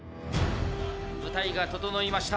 舞台が整いました。